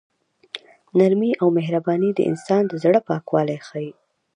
نرمي او مهرباني د انسان د زړه پاکوالی ښيي.